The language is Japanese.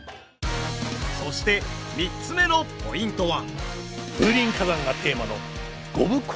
そして３つ目のポイントは。